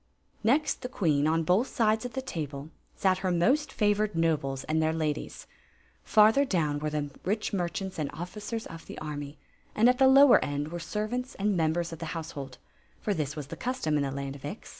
Next the queen, on both sides of the table, sat her most favored nobles and their ladies; farther dawn were the rich merchants and officers of the army; and at the lower end were servants and members of the Story of the Magic Cloak household For this was the custom in the land of Ix.